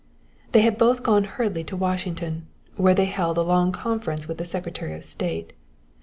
They had both gone hurriedly to Washington, where they held a long conference with the Secretary of State.